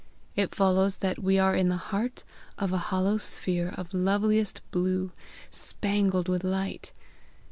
It follows that we are in the heart of a hollow sphere of loveliest blue, spangled with light.